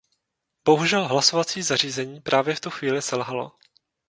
Bohužel hlasovací zařízení právě v tu chvíli selhalo.